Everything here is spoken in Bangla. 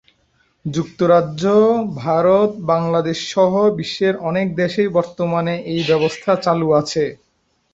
যুক্তরাজ্য, ভারত, বাংলাদেশ সহ বিশ্বের অনেক দেশেই বর্তমানে এই ব্যবস্থা চালু আছে।